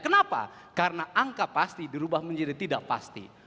kenapa karena angka pasti dirubah menjadi tidak pasti